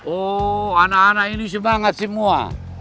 oh anak anak ini semangat semua